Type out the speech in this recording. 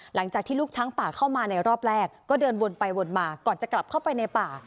หลังจากที่ลูกช้างป่าเข้ามาในรอบแรกก็เดินวนไปวนมาก่อนจะกลับเข้าไปในป่า